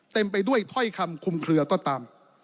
ไปด้วยถ้อยคำคุมเคลือก็ตาม